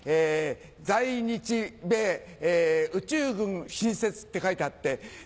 「在日米宇宙軍新設」って書いてあって。